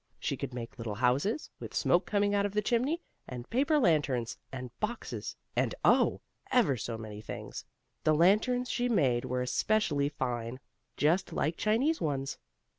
She could make little houses, with smoke coming out of the chimney, and paper lanterns, and boxes, and, oh! ever so many things. The lanterns she made were especially fine, just like Chinese ones.